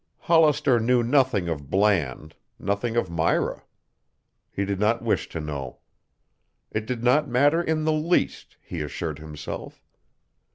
Hollister knew nothing of Bland, nothing of Myra. He did not wish to know. It did not matter in the least, he assured himself.